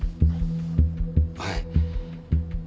はい。